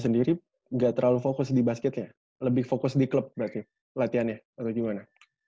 jadi gak terlalu fokus di basketnya lebih fokus di klub berarti latihannya atau gimana